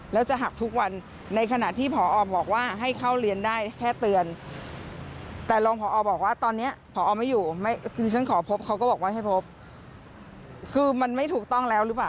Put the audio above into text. คือสรุปแล้ววันนี้น้องสามารถเข้าเรียน